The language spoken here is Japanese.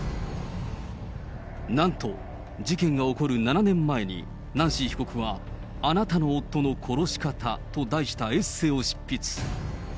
なんと、事件が起こる７年前に、ナンシー被告はあなたの夫の殺し方と題したエッセーを執筆。